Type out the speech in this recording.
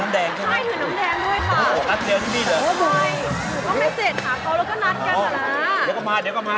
ไม่แสดมหาก่อแล้วก็นัดกันก่อนละ